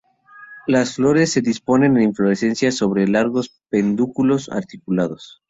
Las flores se disponen en inflorescencias sobre largos pedúnculos articulados.